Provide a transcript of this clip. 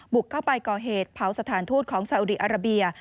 บุกเข้าไปก่อเหตุเผาสถานทูตของซาอุดีอาราเบีย